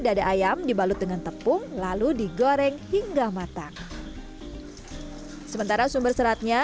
dada ayam dibalut dengan tepung lalu digoreng hingga matang sementara sumber seratnya